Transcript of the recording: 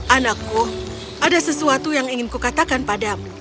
anakku ada sesuatu yang ingin kukatakan padamu